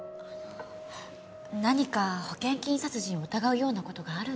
何か保険金殺人を疑うような事があるんですか？